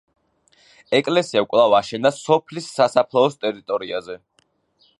ეკლესია კვლავ აშენდა სოფლის სასაფლაოს ტერიტორიაზე.